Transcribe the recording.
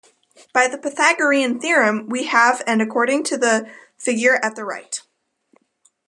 By the Pythagorean theorem we have and according to the figure at the right.